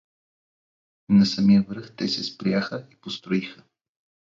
На самия връх те се спряха и построиха.